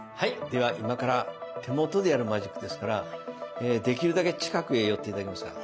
では今から手元でやるマジックですからできるだけ近くへ寄っていただけますか？